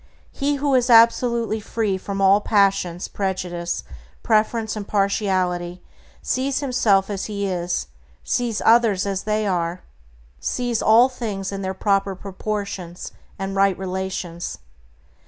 He who is absolutely free from all passion, prejudice, preference, and partiality, sees himself as he is; sees others as they are; sees all things in their proper proportions and right relations.